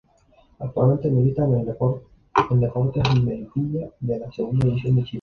Actualmente milita en Deportes Melipilla de la Segunda División de Chile.